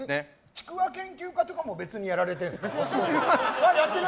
ちくわ研究家とかも別でやられてるんですか？